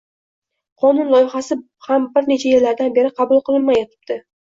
qonun loyihasi ham necha yillardan beri qabul qilinmay yotibdi.